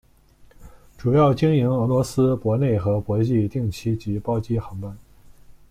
主要经营俄罗斯国内和国际定期及包机航班。